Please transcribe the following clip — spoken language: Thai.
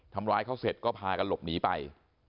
ทำร้ายเขาเสร็จก็พากันหลบหนีไป